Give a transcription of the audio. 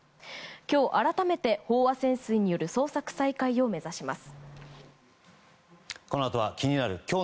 今日、改めて飽和潜水による捜索再開を目指します。